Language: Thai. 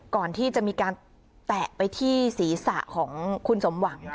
ก่อนที่จะมีการแตะไปที่ศีรษะของคุณสมหวัง